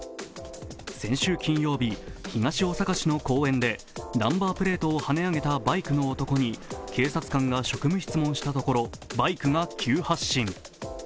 先週金曜日、東大阪市の公園でナンバープレートをはね上げたバイクの男に警察官が職務質問したところバイクが急発進。